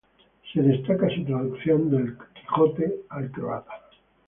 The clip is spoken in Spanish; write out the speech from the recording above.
Se destaca su traducción de "Don Quijote" al croata.